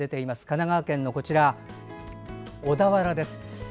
神奈川県の小田原です。